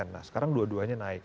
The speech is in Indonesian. nah sekarang dua duanya naik